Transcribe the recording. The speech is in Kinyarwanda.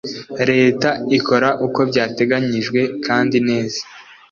Leta ikora uko byateganyijwe kandi neza